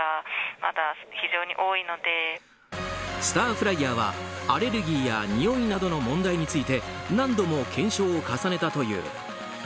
スターフライヤーはアレルギーやにおいなどの問題について何度も検証を重ねたという。